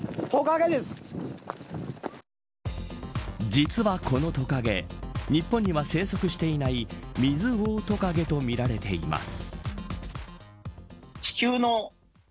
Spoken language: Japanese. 実は、このトカゲ日本には生息していないミズオオトカゲとみられています。